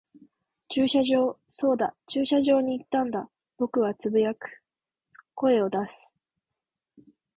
駐車場。そうだ、駐車場に行ったんだ。僕は呟く、声を出す。